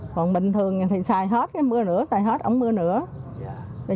còn bình thường thì xài hết mưa nữa xài hết ống mưa nữa